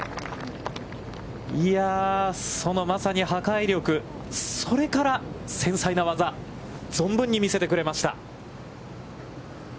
いや、そのまさに破壊力、それから繊細な技、存分に見せてくれました。